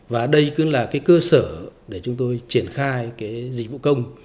và đây cũng là cơ sở để chúng tôi triển khai dịch vụ công